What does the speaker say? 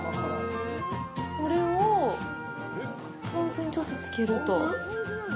これを、ポン酢にちょっとつけると。